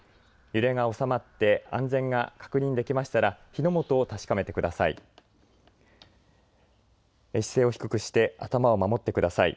揺れが収まって安全が確認できましたら火の元を確かめてください。